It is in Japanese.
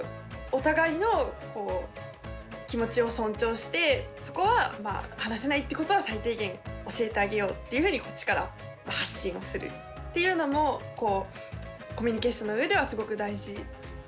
お互いの気持ちを尊重してそこは話せないっていうことは最低限教えてあげようというふうにこっちから発信をするというのもコミュニケーションの上ではすごく大事なのかなって。